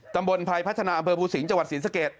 ตำบลภัยพัฒนาอำเภอภูสิงฯจังหวัดศรีสเกต